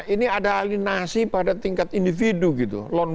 ini ada alinasi pada tingkat individu gitu